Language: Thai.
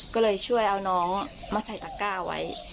ก็เลยช่วยเอาน้องมาใส่ตะก้าไว้